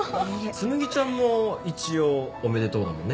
つむぎちゃんも一応おめでとうだもんね。